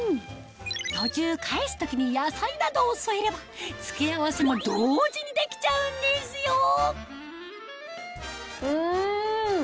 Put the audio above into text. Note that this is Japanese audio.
途中返す時に野菜などを添えれば付け合わせも同時にできちゃうんですよん！